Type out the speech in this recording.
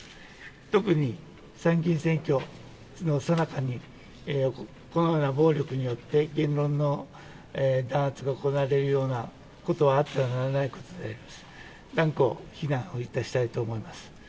特に参議院選挙のさなかに、このような暴力によって、言論の弾圧が行われるようなことはあってはならないことで、断固、非難をいたしたいと思います。